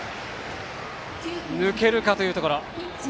抜けるかというところ。